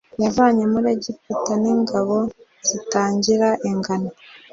Yavanye muri Egiputa n ingabo zitagira ingano